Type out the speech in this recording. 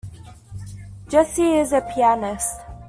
Jesse is a pianist.